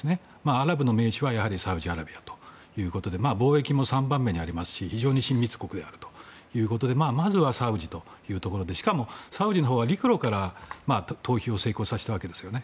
アラブの盟主は、やはりサウジアラビアということで貿易も３番目にありますし非常に親密国であるということでまずはサウジというところでしかも、サウジは陸路から退避を成功させたわけですよね。